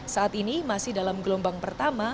saat ini masih dalam gelombang pertama